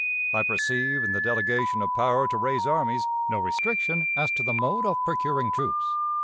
I perceive, in the delegation of power to raise armies, no restriction as to the mode of procuring troops.